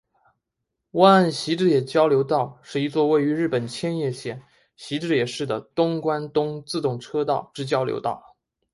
湾岸习志野交流道是一座位于日本千叶县习志野市的东关东自动车道之交流道。